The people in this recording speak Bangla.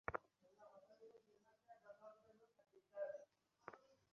আপনার ছেলের কি হয়েছে?